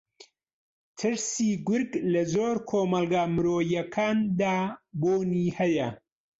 ترسی گورگ لە زۆر لە کۆمەڵگا مرۆیییەکاندا بوونی ھەیە